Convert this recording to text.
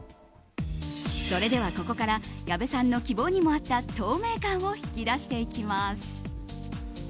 それでは、ここから矢部さんの希望にもあった透明感を引き出していきます。